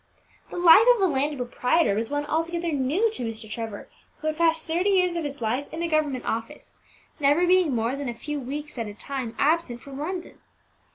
The life of a landed proprietor was one altogether new to Mr. Trevor, who had passed thirty years of his life in a government office, never being more than a few weeks at a time absent from London.